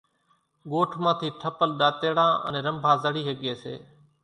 ڳوٺ مان ٿِي ٺپل ۮاتيڙان انين رنڀا زڙِي ۿڳيَ سي۔